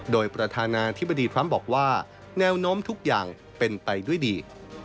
โดยประธานาธิบดีทรัมป์บอกว่าแนวโน้มทุกอย่างเป็นไปด้วยดี